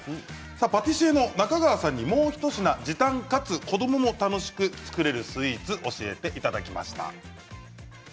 パティシエの中川さんにもう一品時短かつ子どもも楽しく作れるスイーツを教えていただきました。